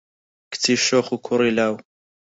کچی شۆخ و کوڕی لاو